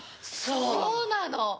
そうなの！